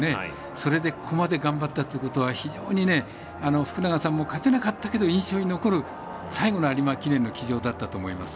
それでここまで頑張ったということは非常に福永さんも勝てなかったけど印象に残る最後の有馬記念の騎乗だったと思います。